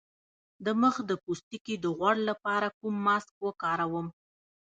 د مخ د پوستکي د غوړ لپاره کوم ماسک وکاروم؟